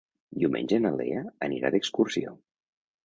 Diumenge na Lea anirà d'excursió.